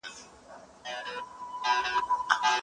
زه له ډېر پخوا راهیسې په دې فکر وم.